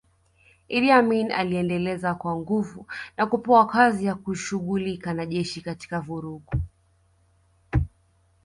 Idi Amin aliendelezwa kwa nguvu na kupewa kazi ya kushughulika na jeshi katika vurugu